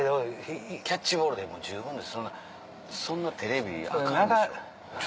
キャッチボールで十分ですそんなテレビアカンでしょ。